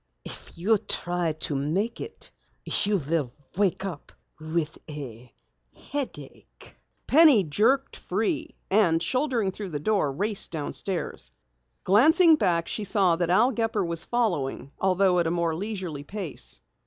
If you try to make it, you'll wake up with a headache!" Penny jerked free and, shouldering through the door, raced downstairs. Glancing back, she saw that Al Gepper was following, though at a more leisurely pace.